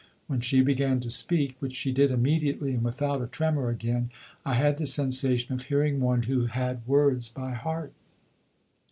When she began to speak, which she did immediately and without a tremor, again I had the sensation of hearing one who had words by heart.